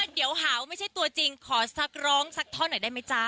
เดี๋ยวหาว่าไม่ใช่ตัวจริงขอสักร้องสักท่อหน่อยได้ไหมจ๊ะ